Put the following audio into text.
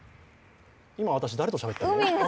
今、私、誰としゃべってるの？